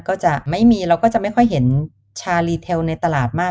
ก็จะมีเราก็จะไม่ค่อยเห็นชารีเทลในตลาดมาก